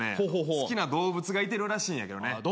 好きな動物がいてるらしいんやけどね